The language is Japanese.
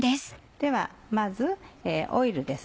ではまずオイルです。